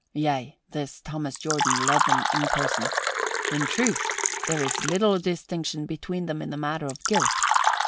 Yea, this Thomas Jordan led them in person. In truth, there is little distinction between them in the matter of guilt.